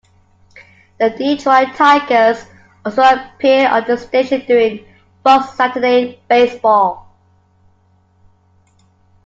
The Detroit Tigers also appear on this station during "Fox Saturday Baseball".